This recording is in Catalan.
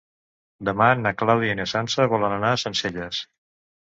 Demà na Clàudia i na Sança volen anar a Sencelles.